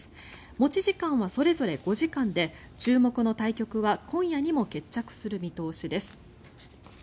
持ち時間はそれぞれ５時間で注目の対局は今夜にも決着する見通しです。